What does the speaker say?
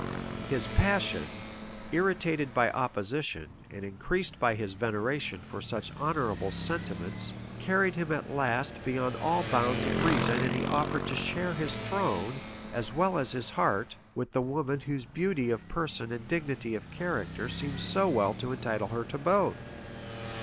His passion, irritated by opposition, and increased by his veneration for such honorable sentiments carried him at last beyond all bounds of reason and he offered to share his throne, as well as his heart, with the woman whose beauty of person and dignity of character seemed so well to entitle her to both.